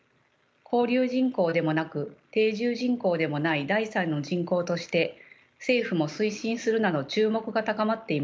交流人口でもなく定住人口でもない第三の人口として政府も推進するなど注目が高まっています。